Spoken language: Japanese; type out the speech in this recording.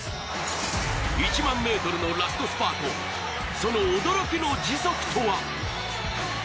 １００００ｍのラストスパート、その驚きの時速とは？